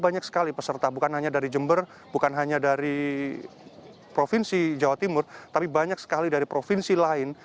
banyak sekali peserta bukan hanya dari jember bukan hanya dari provinsi jawa timur tapi banyak sekali dari provinsi lain